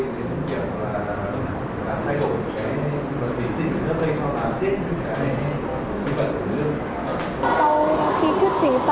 để gục lại thành một kiến thức chung